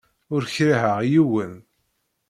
Ur kriheɣ yiwen!